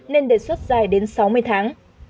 nên đề xuất dài đến sáu mươi tháng